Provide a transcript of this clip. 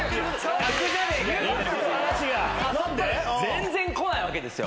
全然来ないわけですよ。